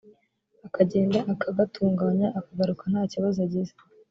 akagenda akagatunganya akagaruka nta kibazo agize